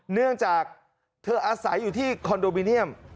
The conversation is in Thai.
เนื่องจากเธออาศัยอยู่ที่คอนโดมิเนียม